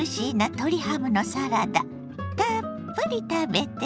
たっぷり食べてね！